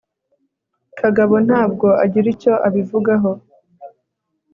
kagabo ntabwo agira icyo abivugaho